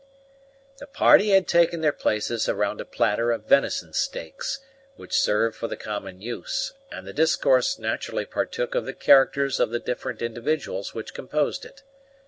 The party had taken their places around a platter of venison steaks, which served for the common use, and the discourse naturally partook of the characters of the different individuals which composed it.